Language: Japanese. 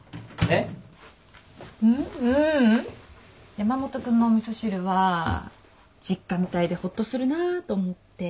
山本君のお味噌汁は実家みたいでほっとするなと思って。